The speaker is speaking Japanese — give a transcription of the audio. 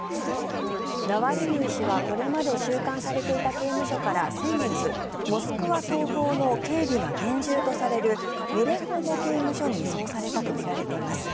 ナワリヌイ氏はこれまで収監されていた刑務所から先月モスクワ東方の警備が厳重とされるメレホボ刑務所に移送されたとみられています。